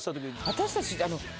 私たち。